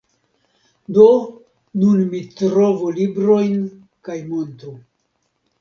Do, nun mi trovu librojn kaj montru.